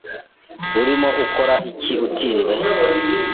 Urimo ukora iki utinze?